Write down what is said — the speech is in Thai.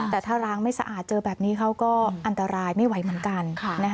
แต่ถ้าร้างไม่สะอาดเจอแบบนี้เขาก็อันตรายไม่ไหวเหมือนกัน